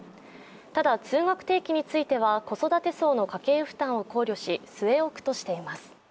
ただ通学定期については子育て層の家計負担を考慮し据え置くとしています。